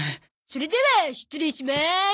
それでは失礼しまーす。